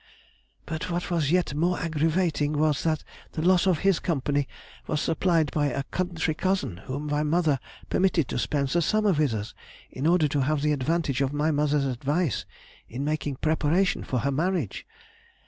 "But what was yet more aggravating was, that the loss of his company was supplied by a country cousin whom my mother permitted to spend the summer with us in order to have the advantage of my mother's advice in making preparation for her marriage....